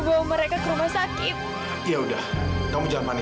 sampai jumpa di video selanjutnya